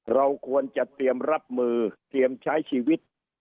เราควรจะเตรียมรับมือเตรียมใช้ชีวิต